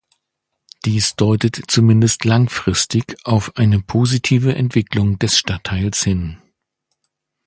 Dies deutet zumindest langfristig auf eine positive Entwicklung des Stadtteils hin.